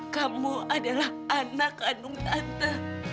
kamu adalah anak kandung tante